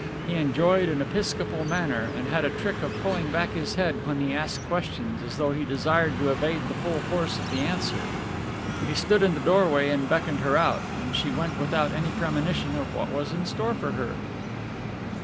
He enjoyed an episcopal manner, and had a trick of pulling back his head when he asked questions, as though he desired to evade the full force of the answer. He stood in the doorway and beckoned her out, and she went without any premonition of what was in store for her.